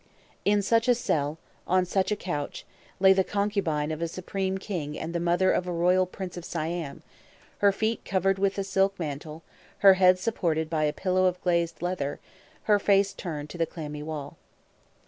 In such a cell, on such a couch, lay the concubine of a supreme king and the mother of a royal prince of Siam, her feet covered with a silk mantle, her head supported by a pillow of glazed leather, her face turned to the clammy wall.